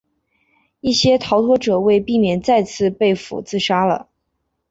一些逃脱者为避免再次被俘自杀了。